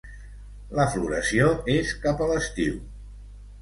La floració és cap a l'estiu.